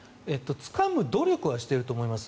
つかむ努力はしてると思います。